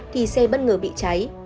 thì xe bất ngờ bị cháy